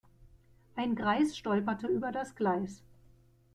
Ein Greis stolperte über das Gleis.